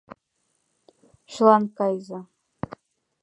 Чылан кайыза.